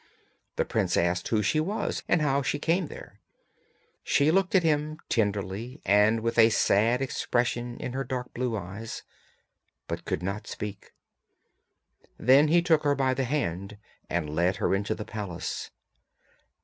The prince asked who she was and how she came there. She looked at him tenderly and with a sad expression in her dark blue eyes, but could not speak. Then he took her by the hand and led her into the palace.